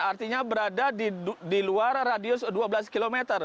artinya berada di luar radius dua belas km